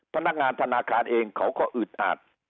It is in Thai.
พนักงานธนาคารเองเขาก็อึดอาด